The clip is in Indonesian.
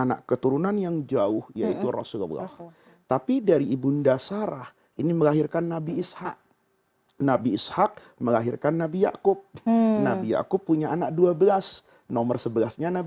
aset yang berbentuk harta